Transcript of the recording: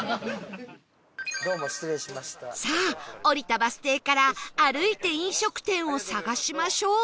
さあ降りたバス停から歩いて飲食店を探しましょう